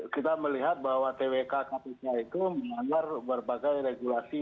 kita melihat bahwa twk kpk itu melanggar berbagai regulasi